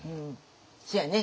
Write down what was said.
そうやね。